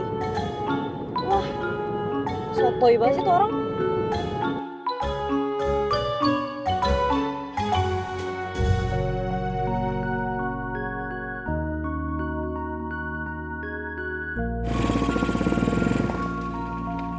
wah sotoi banget itu orang